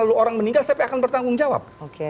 lalu orang meninggal sampai akan bertanggung jawab